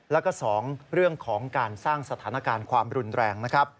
แล้วก็๒เรื่องของการสร้างสถานการณ์ความรุนแรงนะครับ